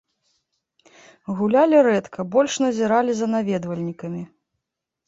Гулялі рэдка, больш назіралі за наведвальнікамі.